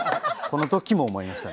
このときも思いました。